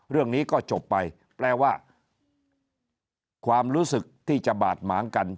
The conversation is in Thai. เรื่องนี้ก็จบไปแปลว่าความรู้สึกที่จะบาดหมางกัน